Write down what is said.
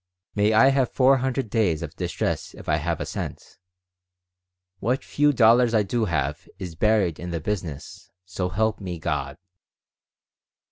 "May I have four hundred days of distress if I have a cent. What few dollars I do have is buried in the business. So help me, God!